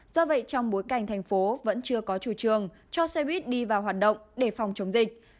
do vậy trong bối cảnh thành phố vẫn chưa có chủ trường cho xe buýt đi vào hoạt động để phòng chống dịch